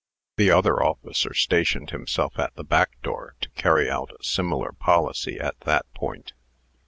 The other officer stationed himself at the back door, to carry out a similar policy at that point.